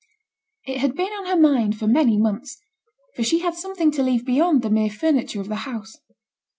It had been on her mind for many months; for she had something to leave beyond the mere furniture of the house.